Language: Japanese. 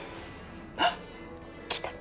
あっ。来た。